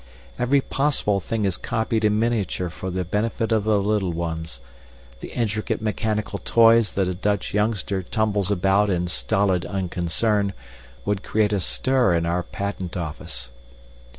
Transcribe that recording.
Every possible thing is copied in miniature for the benefit of the little ones; the intricate mechanical toys that a Dutch youngster tumbles about in stolid unconcern would create a stir in our patent office.